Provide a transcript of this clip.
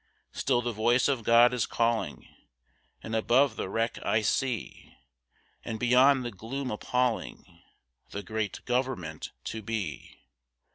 Still the voice of God is calling; and above the wreck I see, And beyond the gloom appalling, the great Government to Be.